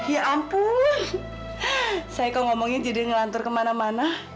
ya ampun saya kok ngomongnya jadi ngelantur kemana mana